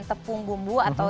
tepung bumbu atau